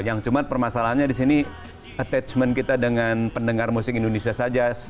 yang cuma permasalahannya di sini attachment kita dengan pendengar musik indonesia saja